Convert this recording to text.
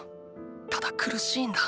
ただ苦しいんだ